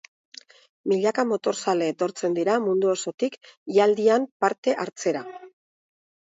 Milaka motorzale etortzen dira mundu osotik ialdian parte hartzera.